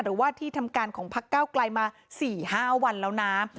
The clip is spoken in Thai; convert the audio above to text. หรือว่าที่ทำการของพักเก้าไกลมา๔๕วันแล้วนะ